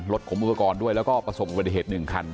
รถขมุกกรด้วยแล้วก็ประสงค์ประเทศหนึ่งคัน